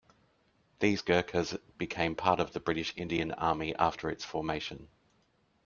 These Gurkhas became part of the British Indian Army after its formation.